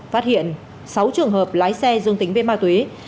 phát hiện sáu trường hợp lái xe dương tính với ma túy